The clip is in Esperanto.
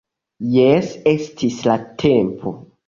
Jes, estis la tempo!